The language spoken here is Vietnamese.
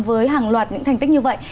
với hàng loạt những thành tích như vậy